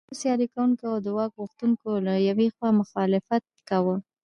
کورنیو سیالي کوونکو او د واک غوښتونکو له یوې خوا مخالفت کاوه.